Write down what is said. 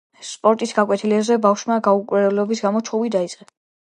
სპორტის გაკვეთილზე ბავშვებმა გაურკვევლობის გამო ჩხუბი დაიწყეს